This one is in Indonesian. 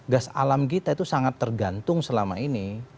gas alam kita itu sangat tergantung selama ini